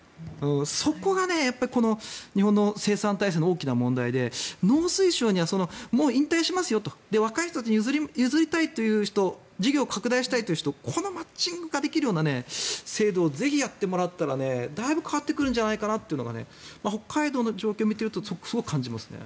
そこが、この日本の生産体制の大きな問題で農水省には、もう引退しますよと若い人たちに譲りたいという人事業を拡大したいという人このマッチングができるような制度をぜひやってもらったらだいぶ変わってくるんじゃないかなというのが北海道の状況を見てるとすごく感じますね。